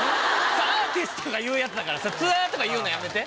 アーティストが言うやつだからツアーとか言うのやめて！